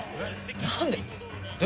何で？